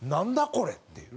これ！っていう。